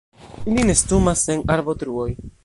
Ili nestumas en arbotruoj.